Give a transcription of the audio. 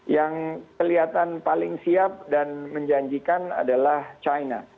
yang kelihatan paling siap dan menjanjikan adalah china